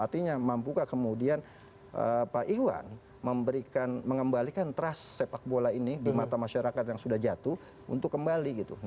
artinya mampukah kemudian pak iwan memberikan mengembalikan trust sepak bola ini di mata masyarakat yang sudah jatuh untuk kembali gitu